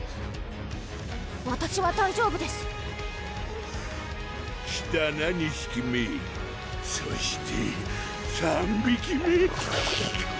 わたしは大丈夫です来たな２匹目そして３匹目！